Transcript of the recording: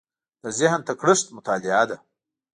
د ذهن تکړښت مطالعه ده.